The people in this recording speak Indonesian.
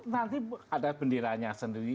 nanti ada bendiranya sendiri